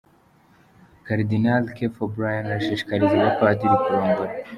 Karidinali Keith O’Brien arashishikariza abapadiri kurongora.